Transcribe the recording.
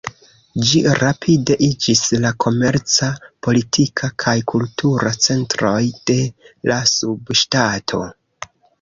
Ĝi rapide iĝis la komerca, politika, kaj kultura centroj de la subŝtato.